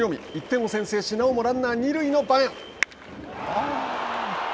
１点を先制しなおもランナー二塁の場面。